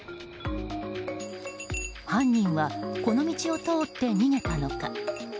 犯人はこの道を通って逃げたのか。